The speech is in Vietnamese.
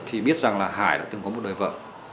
thì biết rằng là hải đã từng có một đời vợ